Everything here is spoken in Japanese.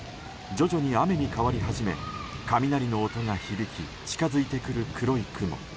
徐々に雨に変わり始め雷の音が響き近づいてくる黒い雲。